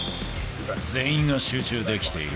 全員が集中できている。